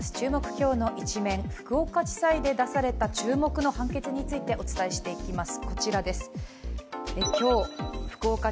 今日のイチメン、福岡地裁で出された注目の判決についてお伝えしていきます。